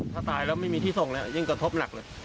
ถ้าตายแล้วไม่มีที่ส่งแล้วยิ่งกระทบหนักเลย